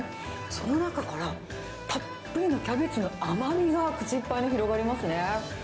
その中から、たっぷりのキャベツの甘みが口いっぱいに広がりますね。